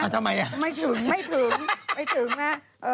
ทำไมล่ะไม่ถึงไม่ถึงนะ